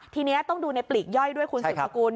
ทีนี้ก็ต้องดูในปลีกย่อยด้วยคุณศุษภรรณ์กูล